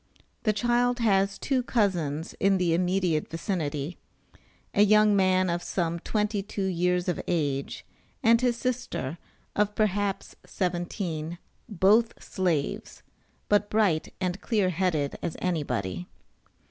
The child has two cousins in the immediate vicinity; a young man of some twenty two years of age, and his sister, of perhaps seventeen both Slaves, but bright and clear headed as anybody.